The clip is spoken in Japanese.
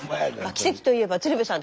奇跡といえば鶴瓶さん。